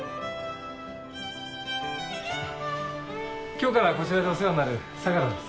今日からこちらでお世話になる相良です。